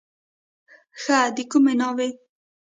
ښه د کومې ناوې.